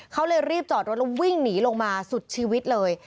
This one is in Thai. เขาเลยรีบจอดรถแล้ววิ่งหนีลงมาสุดชีวิตเลย